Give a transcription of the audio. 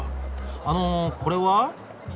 あのこれは？